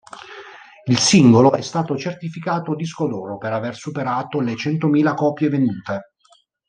Il singolo è stato certificato disco d'oro per aver superato le centomila copie vendute.